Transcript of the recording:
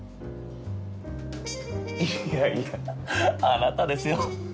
いやいやあなたですよ